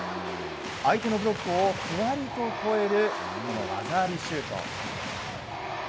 相手のブロックをふわりと越える技ありシュート。